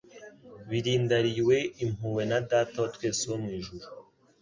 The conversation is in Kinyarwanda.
birindariywe impuhwe na Data wa twese wo mu ijuru.